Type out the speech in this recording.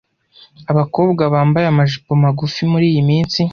Abakobwa bambaye amajipo magufi muriyi minsi.